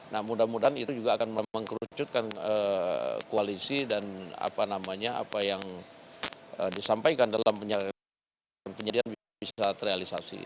nah mudah mudahan itu juga akan memang kerucutkan koalisi dan apa namanya apa yang disampaikan dalam penyediaan bisa terrealisasi